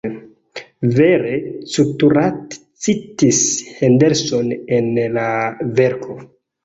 Vere Couturat citis Henderson en la verko.